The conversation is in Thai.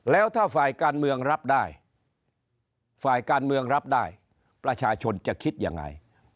แล้วถ้าฝ่ายการเมืองรับได้ฝ่ายการเมืองรับได้ประชาชนจะคิดยังไง